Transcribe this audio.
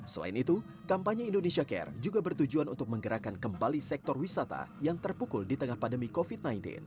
selain itu kampanye indonesia care juga bertujuan untuk menggerakkan kembali sektor wisata yang terpukul di tengah pandemi covid sembilan belas